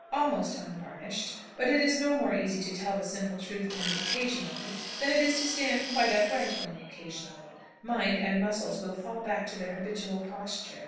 Almost unvarnished; but it is no more easy to tell the simple truth only occasionally, than it is to stand quite upright only occasionally. Mind and muscles will fall back to their habitual posture.